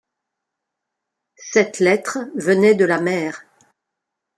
Cette lettre venait de la mer.